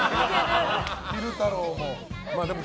昼太郎も。